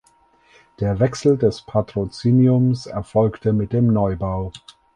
Der Wechsel des Patroziniums erfolgte mit dem Neubau.